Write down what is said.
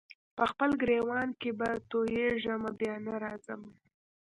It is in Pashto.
په خپل ګرېوان کي به تویېږمه بیا نه راځمه